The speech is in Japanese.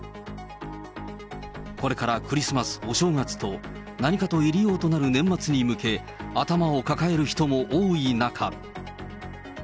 これからクリスマス、お正月と、何かと入り用となる年末に向け、頭を抱える人も多い中。